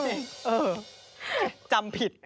เออจำผิด